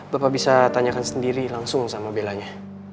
bapak bisa tanyakan sendiri langsung sama bellanya